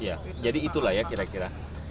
ya jadi itulah ya kira kira